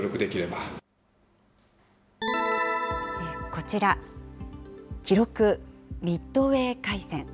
こちら、記録ミッドウェー海戦。